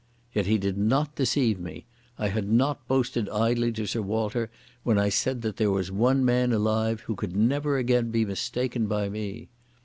Yet he did not deceive me. I had not boasted idly to Sir Walter when I said that there was one man alive who could never again be mistaken by me.